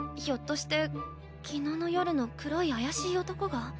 ひょっとして昨日の夜の黒い怪しい男が？